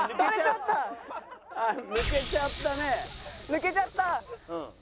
抜けちゃったね。